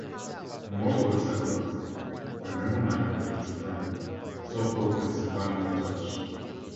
Most of the settlers were Mennonites from Pennsylvania, so-called Pennsylvania Dutch.